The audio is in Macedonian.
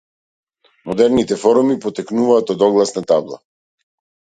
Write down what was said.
Модерните форуми потекнуваат од огласна табла.